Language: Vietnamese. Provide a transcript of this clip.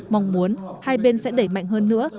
mong muốn hai bên sẽ đẩy mạnh hơn nữa